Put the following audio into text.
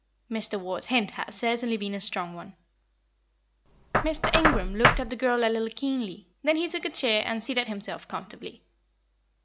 Mr. Ward's hint had certainly been a strong one. Mr. Ingram looked at the girl a little keenly; then he took a chair and seated himself comfortably.